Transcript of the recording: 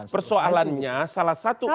persoalannya salah satu